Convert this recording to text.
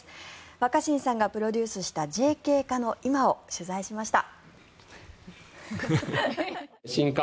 若新さんがプロデュースしたＪＫ課の今を取材しました。